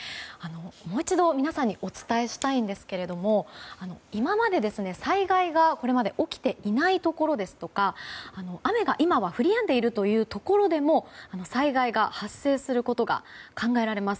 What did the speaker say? もう一度、皆さんにお伝えしたいんですけど今まで、災害がこれまで起きていないところですとか雨が今は降りやんでいるというところでも災害が発生することが考えられます。